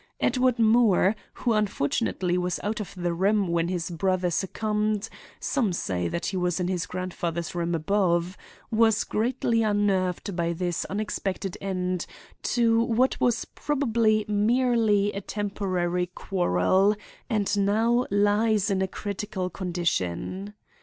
Edward Moore, who, unfortunately, was out of the room when his brother succumbed—some say that he was in his grandfather's room above—was greatly unnerved by this unexpected end to what was probably merely a temporary quarrel, and now lies in a critical condition.